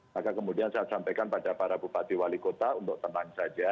maka kemudian saya sampaikan pada para bupati wali kota untuk tenang saja